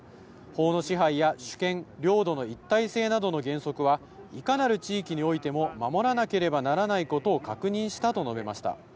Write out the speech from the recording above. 法の支配や主権、領土の一体性などの原則は、いかなる地域においても守らなければならないことを確認したと述べました。